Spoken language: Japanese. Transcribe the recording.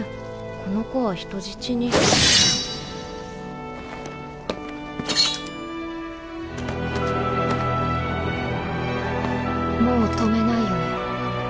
この子は人質にもう止めないよね